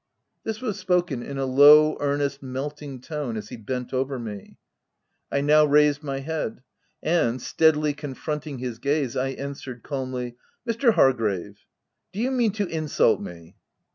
This was spoken in a low, earnest, melting tone as he bent over me. I now raised my head ; and, steadily confronting his gaze, I an swered calmly, — "Mr. Hargrave, do you mean to insult me?"